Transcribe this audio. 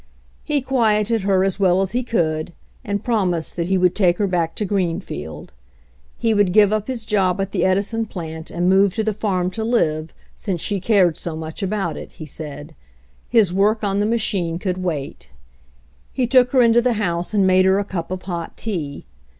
He quieted her as well as he could, and prom ised that he would take her back to Greenfield. He would give up his job at the Edison plant and move to the farm to live, since she cared so much about it, he said. His work on the machine could wait. He took her into the house and made her a cup of hot tea.